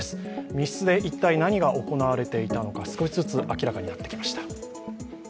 密室で一体何が行われていたのか、少しずつ明らかになってきました。